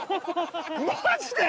マジで！？